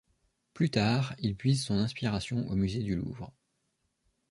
Plus tard, il puise son inspiration au musée du Louvre.